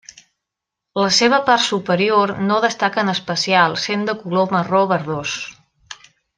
La seva part superior no destaca en especial, sent de color marró verdós.